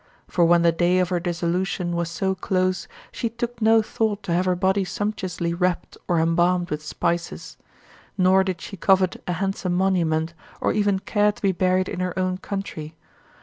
" For when the day of her dissolution was so close, she took no thought to have her body sumptuously wrapped or embalmed with spices. Nor did she covet a handsome monument, or even care to be buried in her own country.